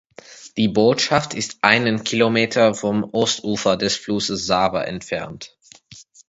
Die Botschaft ist einen Kilometer vom Ostufer des Flusses Save entfernt.